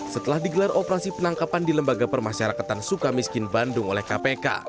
setelah digelar operasi penangkapan di lembaga permasyarakatan suka miskin bandung oleh kpk